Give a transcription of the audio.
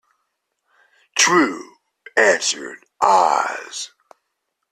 "True," answered Oz.